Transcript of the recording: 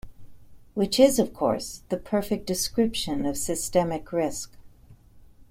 Which is, of course, the perfect description of 'systemic risk'.